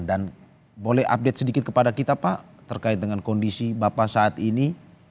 dan boleh update sedikit kepada kita pak terkait dengan kondisi bapak saat ini